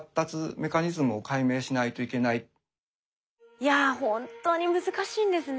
いや本当に難しいんですね